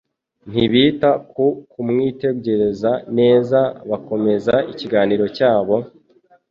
ntibita ku kumwitegereza neza bakomeza ikiganiro cyabo,